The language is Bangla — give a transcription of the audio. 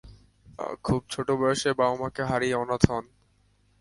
খুব ছোট অবস্থায় বাবা-মাকে হারিয়ে অনাথ হন।